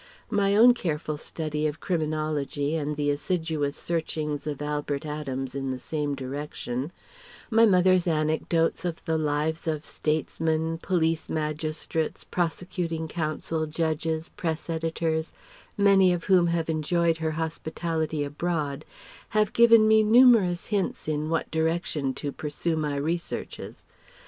My own careful study of criminology and the assiduous searchings of Albert Adams in the same direction; my mother's anecdotes of the lives of statesmen, police magistrates, prosecuting counsel, judges, press editors many of whom have enjoyed her hospitality abroad have given me numerous hints in what direction to pursue my researches.